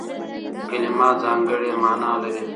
کلیمه ځانګړې مانا لري.